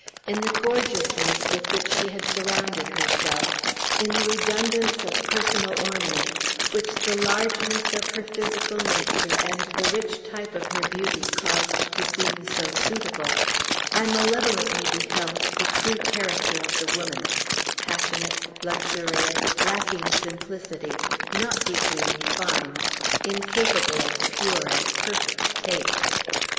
In the gorgeousness with which she had surrounded herself, in the redundance of personal ornament, which the largeness of her physical nature and the rich type of her beauty caused to seem so suitable, I malevolently beheld the true character of the woman, passionate, luxurious, lacking simplicity, not deeply refined, incapable of pure and perfect taste.